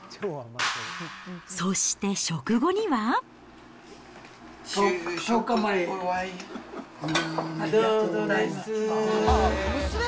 そして食後には。就職祝い、どうぞです。